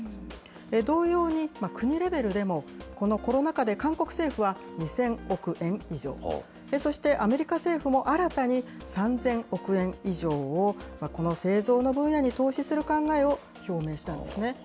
同様に、国レベルでも、このコロナ禍で韓国政府も２０００億円以上、そして、アメリカ政府も新たに３０００億円以上を、この製造の分野に投資する考えを表明したんですね。